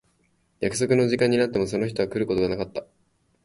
約束の時間になってもその人は来ることがなかった。